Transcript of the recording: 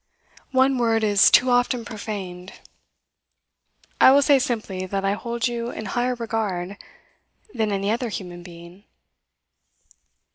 "One word is too often profaned;" I will say simply that I hold you in higher regard that any other human being.